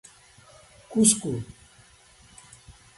Cusco